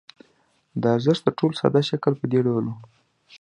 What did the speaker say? د ارزښت تر ټولو ساده شکل په دې ډول وو